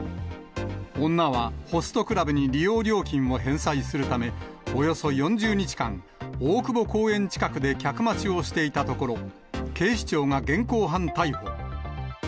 女は、ホストクラブに利用料金を返済するため、およそ４０日間、大久保公園近くで客待ちをしていたところ、警視庁が現行犯逮捕。